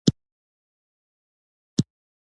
کله چې مایع نور حرکت نه کوي درجه یې ولولئ.